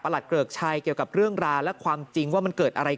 ประหลักเกิรกชัยเกี่ยวกับเรื่องราและความจริงว่ามันเกิดอะไร